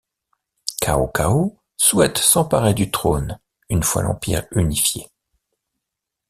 Cao Cao souhaite s'emparer du trône une fois l'empire unifié.